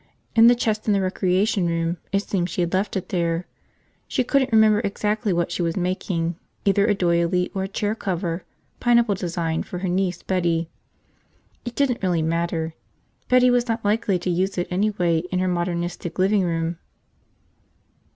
In the chest in the recreation room, it seemed she had left it there. She couldn't remember exactly what she was making, either a doily or a chair cover, pineapple design, for her niece Betty. It didn't really matter. Betty was not likely to use it anyway in her modernistic living room.